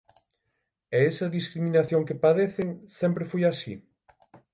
E esa discriminación que padecen, sempre foi así?